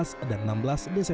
senang sih ya